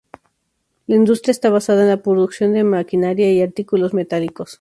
La industria está basada en la producción de maquinaria y artículos metálicos.